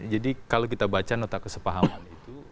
jadi kalau kita baca nota kesepahaman itu